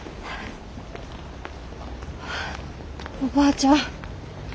おばあちゃん。